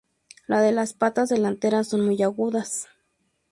Las de las patas delanteras son muy agudas.